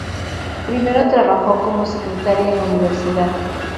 Primero trabajó como secretaria en la Universidad.